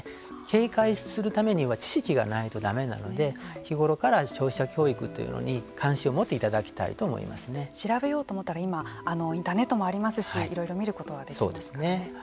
警戒するためには知識がないとだめなので日頃から消費者教育というのに関心を持っていただきたいと調べようと思ったら今インターネットもありますしいろいろ見ることができますからね。